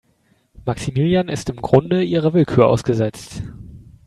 Maximilian ist im Grunde ihrer Willkür ausgesetzt.